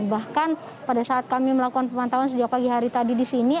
bahkan pada saat kami melakukan pemantauan sejak pagi hari tadi di sini